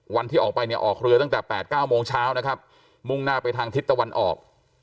วันที่ออกไปเนี่ยออกเรือตั้งแต่๘๙โมงเช้านะครับมุ่งหน้าไปทางทิศตะวันออก